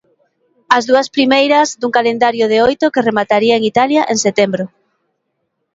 As dúas primeiras dun calendario de oito que remataría en Italia en setembro.